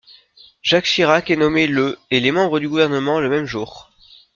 Jacques Chirac est nommé le et les membres du gouvernement le même jour.